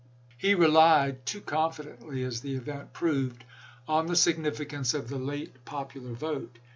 xxv. lied (too confidently, as the event proved) on the significance of the late popular vote.